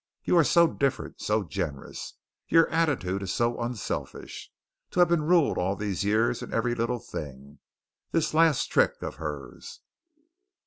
You are so different, so generous! Your attitude is so unselfish! To have been ruled all these years in every little thing. This last trick of hers!"